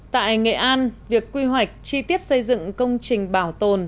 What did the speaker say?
tại nghệ an việc quy hoạch chi tiết xây dựng công trình bảo tồn